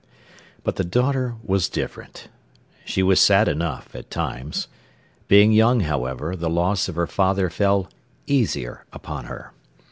But the daughter was different. She was sad enough, at times. Being young, however, the loss of her father fell easier upon her.